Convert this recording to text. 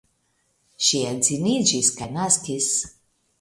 Ŝi edziniĝis kaj naskis.